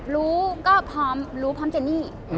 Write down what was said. รู้ก็รู้พร้อมเจนนี่